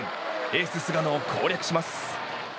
エース菅野を攻略します。